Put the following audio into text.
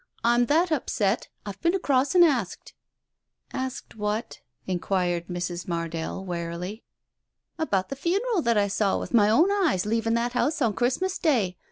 "I'm that upset! I've been across and asked." "Asked what?" inquired Mrs. Mardell wearily. "About the funeral that I saw with my own eyes leaving that house on Christmas Day. ..